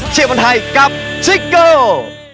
เชียบบนไทยกับซิกเกิ้ล